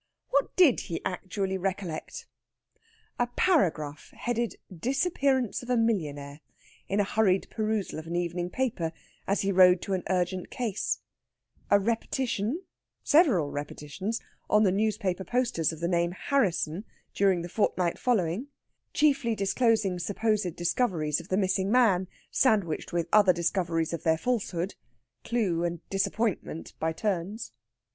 What did he actually recollect? A paragraph headed "Disappearance of a Millionaire" in a hurried perusal of an evening paper as he rode to an urgent case; a repetition several repetitions on the newspaper posters of the name Harrisson during the fortnight following, chiefly disclosing supposed discoveries of the missing man, sandwiched with other discoveries of their falsehood clue and disappointment by turns.